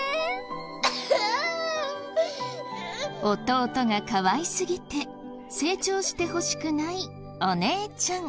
弟がかわいすぎて成長してほしくないお姉ちゃん。